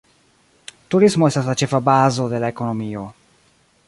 Turismo estas la ĉefa bazo de la ekonomio.